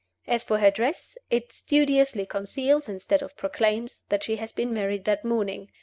As for her dress, it studiously conceals, instead of proclaiming, that she has been married that morning.